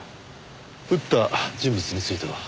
撃った人物については？